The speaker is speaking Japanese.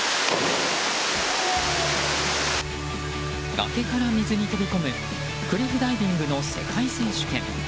崖から水に飛び込むクリフダイビングの世界選手権。